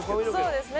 そうですね。